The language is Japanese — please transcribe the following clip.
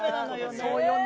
そうよね。